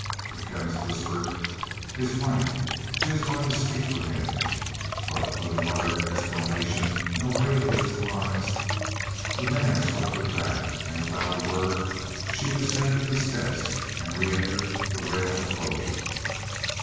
The Chemist whispered, "His wife; she is going to speak for him." But with a muttered exclamation and wave of his arm, the man swept her back, and without a word she descended the steps and reentered the railed enclosure.